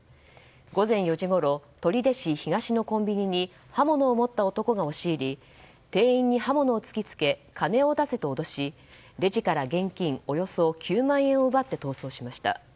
午前４時ごろ、取手市東のコンビニに刃物を持った男が押し入り店員に刃物を突き付け金を出せと脅しレジから現金およそ９万円を奪って逃走しました。